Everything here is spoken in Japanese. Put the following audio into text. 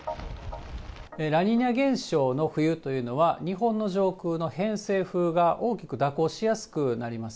ラニーニャ現象の冬というのは、日本の上空の偏西風が大きく蛇行しやすくなります。